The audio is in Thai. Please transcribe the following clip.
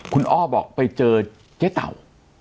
คุณอ้อบอกไปเจอเจ๊เต่า